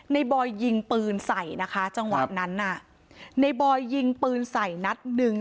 บอยยิงปืนใส่นะคะจังหวะนั้นน่ะในบอยยิงปืนใส่นัดหนึ่ง